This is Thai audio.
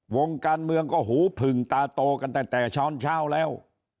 วงการเมืองก็หูผึ่งตาโตกันตั้งแต่เช้าแล้ว